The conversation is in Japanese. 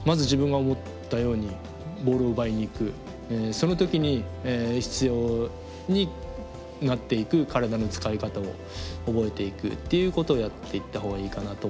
その時に必要になっていく体の使い方を覚えていくっていうことをやっていったほうがいいかなと思います。